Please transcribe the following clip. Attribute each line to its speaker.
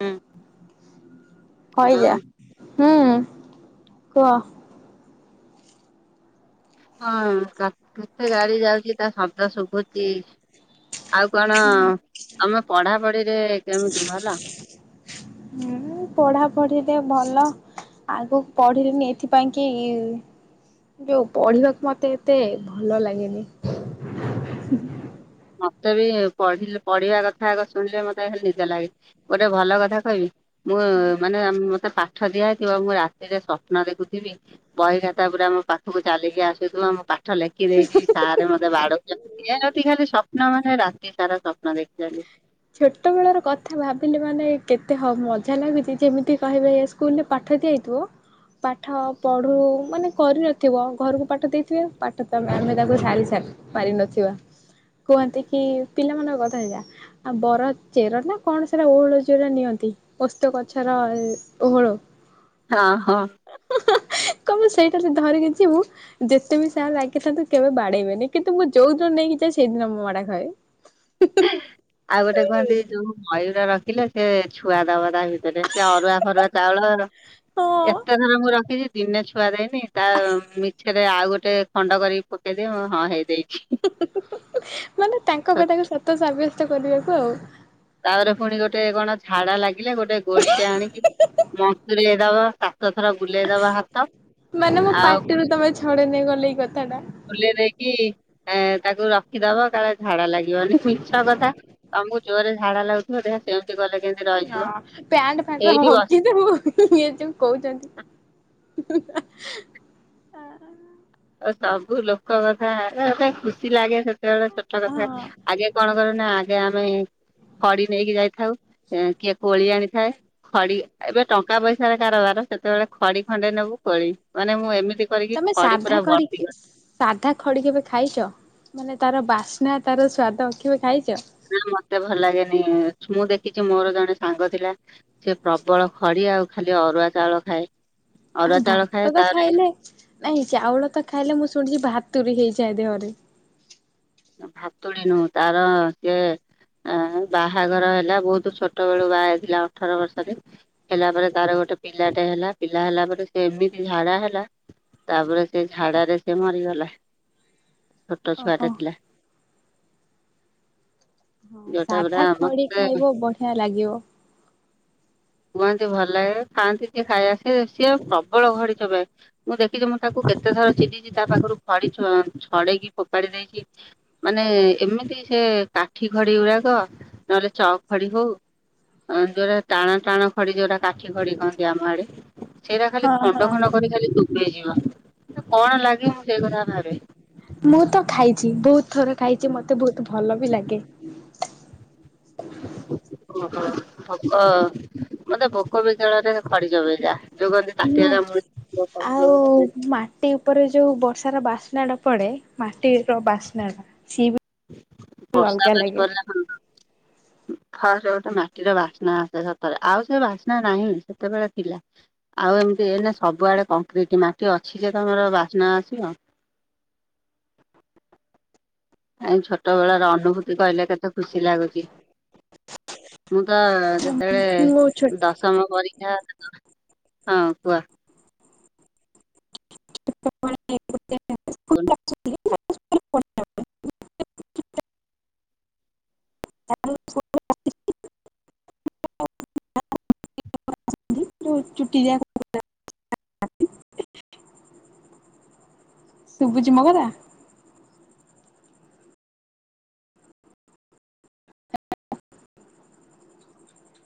Speaker 1: ହୁଁ ହ୍ୟାଲୋ
Speaker 2: ହଇଯା ହୁଁ କୁହ।
Speaker 1: ହଁ ଗା କେତେ ଗାଡି ଯାଉଚି ତା ଶବ୍ଦ ଶୁଭୁଚି। ଆଉ କଣ ତମେ ପଢାପଢିରେ କେମିତି ଭଲ?
Speaker 2: ମୁଁ ପଢାପଢିରେ ଭଲ। ଆଗୁକୁ ପଢିଲିନି ଏଥିପାଇଁ କି ଯୋଉ ପଢିବାକୁ ମତେ ଏତେ ଭଲ ଲାଗେନି
Speaker 1: ମତେ ବି ପଢିଲ ପଢିଆ କଥା ଆଗ ଶୁଣିଲେ ମତେ ଖାଲି ନିଦ ଲାଗେ ଗୋଟେ ଭଲ କଥା କହିବି ମୁଁ ମାନେ ମତେ ପାଠ ଦିଆ ହେଇଥିବ ମୁଁ ରାତିରେ ସ୍ୱପ୍ନ ଦେଖୁଥିବି। ବହି ଖାତା ପୁରା ଆମ ପାଖୁକୁ ଚାଲିକି ଆସୁଥୁବ ଆମ ପାଖ ଠ ଲେଖି ଦେଇଚି ସାରେ ମତେ ବାଡଉଚନ୍ତି। ଦିଆଯାଉଚି ଖାଲି ସପ୍ ସ୍ୱପ୍ନ ମାନେ ରାତି ସାରା ସ୍ୱପ୍ନ ଦେଖିଦେଲି।
Speaker 2: ଛୋଟ ବେଳ ର କଥା ଭାବିଲେ ମାନେ କେତେ ହ ମଜା ଲାଗୁଚି ଯେମିତି କହିବେ ସ୍କୁଲ୍ ରେ ପାଠ ଦିଆହେଇଥିବ ପାଠ ପଢୁ ମାନେ କରିନଥିବ ଘରକୁ ପାଠ ଦେଇଥିବେ ପା ଠ ତମେ ଆମେ ତାକୁ ସାରି ସାରି ପାରି ନଥିବା କୁହନ୍ତି କି ପିଲାମାନଙ୍କ କଥା ହେଇ ଯା ଆଉ ବର ଚେର ନା କଣ ସେରା ଓହଳ ଜୋଉରା ନିଅନ୍ତି। ପସ୍ତ ଗଛର ଓହୋଳ
Speaker 1: ହଁ ହଁ।
Speaker 2: କଣ ସେଇଟା ଧରିକି ଯିବୁ ଯେତେ ବି ସାର୍ ଲାଗିଥାନ୍ତୁ କେବେ ବାଡେଇବେନି କିନ୍ତୁ ମୁଁ ଯୋଉ ଦିନ ନେଇକି ଯାଏ ସେଇଦିନ ମୁଁ ମାଡା ଖାଏ। [inaudible]
Speaker 1: ଆଉ ଗୋଟେ କୁହନ୍ତି ଯୋଉ ମୟୂର ଟା ରଖିଲେ ସେ ଛୁଆ ଦବା ତା ଭିତରେ, ସେ ଅରୁଆ ଫରୁଆ ଚାଉଳ
Speaker 2: ହଁ
Speaker 1: ଏତେଥର ମୁଁ ରଖିଛି ଦିନେ ଛୁଆ ଦେଇନି, ତା ମିଛରେ ଆଉ ଗୋଟେ ଖଣ୍ଡ କରିକି ପକେଇଦି ମୁଁ ହଁ ହେଇ ଦେଇଇଛି।
Speaker 2: ମାନେ ତାଙ୍କ କଥାକୁ ସତ ସାବ୍ୟସ୍ତ କରିବାକୁ ଆଉ।
Speaker 1: ତାପରେ ପୁଣି ଗୋଟେ କଣ ଝାଡା ଲାଗିଲେ ଗୋଟେ ଗୋଡିଟେ ଆଣିକି ମସୁରୀ ହେଇଦବ ତା ହାତଥର ବୁଲେଇଦବା ହାତ ଆଉ
Speaker 2: ଛଡ଼େ ନେଇ ଗଲେ ଏଇ କଥାଟା।
Speaker 1: ବୁଲ ଦେଇକି ଏ ତାକୁ ରଖିଦବ କାାର ଝାଡା ଲାଗି ଲାଗିବନି ମିଛ କଥା ତମକୁ ଜୋରରେ ଝାଡ଼ା ଲାଗୁଥିବ ଦେଖ ସେମିତି ଗଲେ
Speaker 2: ହଁ ପ୍ୟାଣ୍ଟ ଫ୍ୟାଟ ହଗି ଦବ ଯଉ କହୁଛନ୍ତି ହୁଁ।
Speaker 1: ଆସ ସବୁ ଲୋକ କଥା ଖୁସି ଲାଗେ ସେତେବେଳେ ଛୋଟ କଥା
Speaker 2: ହଁ
Speaker 1: ଆଗେ କଣ କରେ ନା ଆମେ ଖଡି ନେଇକି ଯାଇଥାଉ କିଏ କୋଳି ଆଣିଥାଏ। ଖଡି ଏବେ ଟଙ୍କା ପଇସାର କାରବାର ସେତେବେଳେ ଖଡି ଖଣ୍ଡେଇ ନେବୁ କୋଳି ମାନେ ମୁଁ ଏମିତି କରିକି ଖଡି ପୁରା ବର୍ତ୍ତି
Speaker 2: କଡ଼ିକିଅ ସାଧା ଖଡି କେବେ ଖାଇଛ? ମାନେ ତାର ବାସ୍ନା ତାର ସ୍ଵାଦ କେବେ ଖାଇଛ?
Speaker 1: ନା ମତେ ଭଲ ଲାଗେନି, ମୁଁ ଦେଖିଛି ମୋର ଜଣେ ସାଙ୍ଗ ଥିଲା। ସେ ପ୍ରବଳ ଖଡି ଆଉ ଖାଲି ଅରୁଆ ଚାଉଳ ଖାଏ।
Speaker 2: ଆ
Speaker 1: ଅରୁଆ ଚାଉଳ
Speaker 2: ଭାତ
Speaker 1: ଖାଏ
Speaker 2: ତ
Speaker 1: ତାପରେ
Speaker 2: ଖାଇଲେ ନାଇଁ ଚାଉଳ ତ ଖାଇଲେ ମୁଁ ଶୁଣିଛି ଭାତୁୁରୀ ହେଇଯାଏ ଦେହରେ।
Speaker 1: ଭାତୁଡି ନୁ ତାର ସେ ଆ ବାହାଘର ହେଲା ବହୁତ ଛୋଟ ବେଳୁ ବାହା ହେଇଥିଲା ଅଠର ବର୍ଷରେ। ହେଲା ପରେ ତାର ଗୋଟେ ପିଲାଟେ ହେଲା, ପିଲା ହେଲା ପରେ ସେ ଏମିତି ଝାଡା ହେଲା। ତାପରେ ସେ ଝାଡରେ ସେ ମରିଗଲା, ଛୋଟ ଛୁଆ
Speaker 2: ଓହୋ
Speaker 1: ଟା ଥିଲା।
Speaker 2: ହଁ,
Speaker 1: ଯୋଉଟା ପୁରା
Speaker 2: ସାଧା ଖଡି
Speaker 1: ମତେ
Speaker 2: ଖାଇବ ବଢିଆ ଲାଗିବ।
Speaker 1: କୁହନ୍ତି ଭଲ ଲାଗେ ଖାଆନ୍ତି ଯିଏ ଖାଇଆସେ ସିଏ ପ୍ରବଳ ଘଡି ଚୋବାଏ। ମୁଁ ଦେଖିଛି, ମୁଁ ତାକୁ କେତେ ଥର ଚିଡିଛି ତା ପାଖରୁ ଖଡି ଛଡେଇକି ଫୋପାଡି ଦେଇଛି? ମାନେ ଏମିତି ସେ କାଠି ଖଡି ଗୁଡାକ ନହେଲେ ଚ ଖଡି ହଉ। [unintelligible] ଟାଣ ଟାଣ ଖଡି ଯୋଉଟା କାଠି ଖଡି କହନ୍ତି ଆମ ଆଡେ, ସେଇଟା
Speaker 2: ହଁ
Speaker 1: ଖାଲି ଖଣ୍ଡ
Speaker 2: ହଁ।
Speaker 1: ଖଣ୍ଡ କରି ଖାଲି ନେଇଯିବ, କଣ ଲାଗେ ମୁଁ ସେଇ କଥା ଭାବେ?
Speaker 2: ମୁଁ ତ ଖାଇଚି, ବହୁତ ଥର ଖାଇଛି ମତେ ବହୁତ ଭଲ ବି ଲାଗେ।
Speaker 1: [inaudible] ଭୋକ ମତେ ଭୋକ ବିକେଳରେ ଖଡିଚ ବା ଯୋଉ କହନ୍ତି ପ
Speaker 2: ହୁଁ।
Speaker 1: ତାଟିଆ କାମୁ ଗୌତମ
Speaker 2: ଆଉ
Speaker 1: [unintelligible] ନାଇଁ।
Speaker 2: ମାଟି ଉପରେ ଯୋଉ ବର୍ଷାର ବାସ୍ନା ଟା ପଡେ ମାଟିର ବାସ୍ନା ଟା ସିଏ ବି
Speaker 1: [unintelligible] ଫ ଗୋଟେ
Speaker 2: ଅଲଗା ଲାଗେ।
Speaker 1: ମାଟିର ବାସ୍ନା ଆସେ ସତରେ ଆଉ ସେ ବାସ୍ନା ନାହିଁ, ସେତେବେଳେ ଥିଲା। ଆଉ ଏମିତି ଏ ନା ସବୁଆଡେ କଂକ୍ରିଟ ମାଟି ଅଛି ଯେ ତମର ବାସ୍ନା ବାସିବ। କାଇଁ ଛୋଟ ବେଳ ର ଅନୁଭୂତି କହିଲେ କେତେ ଖୁସି ଲାଗୁଛି? ମୁଁ ତ
Speaker 2: ମୁଁ ଛୋଟ
Speaker 1: ଯେତେବେଳେ ଦଶମ ପରୀକ୍ଷା। ହଁ କୁହ?
Speaker 2: [unintelligible] [inaudible] [unintelligible] ଶୁଭୁଛିି ମୋ କଥା?